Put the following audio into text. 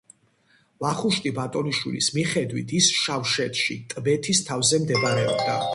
ვახუშტი ბატონიშვილის მიხედვით ის შავშეთში, ტბეთის თავზე მდებარეობდა.